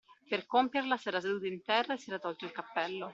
Per compierla s'era seduto in terra e si era tolto il cappello.